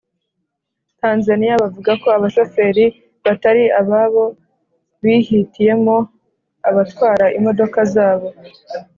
Tanzaniya bavuga ko abashoferi batari ababo bihitiyemo batatwara imodoka zabo